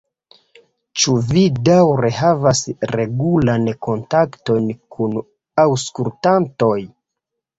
Ĉu vi daŭre havas regulan kontakton kun aŭskultantoj?